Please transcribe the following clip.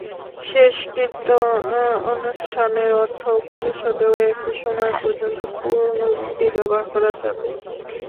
শেষকৃত্য অনুষ্ঠানের অর্থ পরিশোধেও একই সময় পর্যন্ত পুরোনো রুপি ব্যবহার করা যাবে।